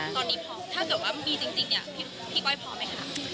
ตอนนี้พอถ้าเกิดว่ามันมีจริงเนี่ยพี่ก้อยพร้อมไหมคะ